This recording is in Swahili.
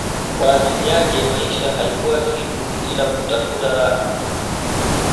kwa ajili yake maisha haikuwa kitu ila kutafuta raha